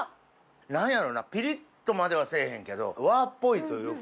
何やろうなピリっとまではせぇへんけど和っぽいというか。